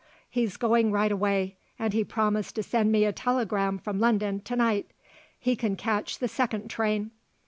He's going right away and he promised to send me a telegram from London to night. He can catch the second train."